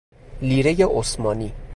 لیرۀ عثمانی